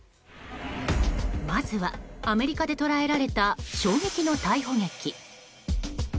まずはアメリカで捉えられた衝撃の逮捕劇。